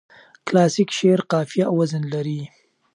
کلاسیک شعر قافیه او وزن لري.